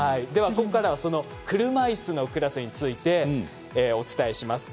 ここからは車いすのクラスについてお伝えします。